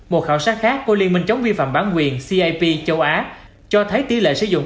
một khảo sát khác của liên minh chống vi phạm bản quyền cap châu á cho thấy tỷ lệ sử dụng